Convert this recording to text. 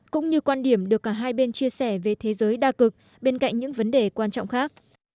cũng như quan điểm được cả hai bên chia sẻ về thế giới đa cực bên cạnh những vấn đề quan trọng khác